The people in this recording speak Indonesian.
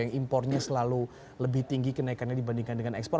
yang impornya selalu lebih tinggi kenaikannya dibandingkan dengan ekspor